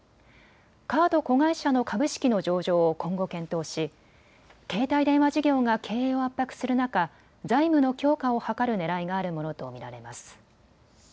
カード子会社の株式の上場を今後、検討し携帯電話事業が経営を圧迫する中、財務の強化を図るねらいがあるものと見られます。